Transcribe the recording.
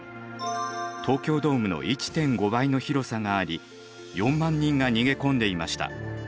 東京ドームの１．５倍の広さがあり４万人が逃げ込んでいました。